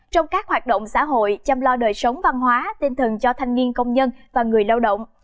trong các hoạt động xã hội chăm lo đời sống văn hóa tinh thần cho thanh niên công nhân và người lao động